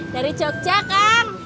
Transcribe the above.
dari jogja kan